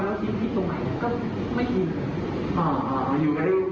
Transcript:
แล้วทิ้งที่ตรงไหนก็ไม่ยืน